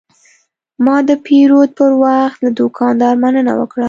ما د پیرود پر وخت له دوکاندار مننه وکړه.